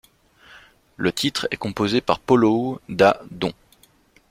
Le titre est composé par Polow da Don.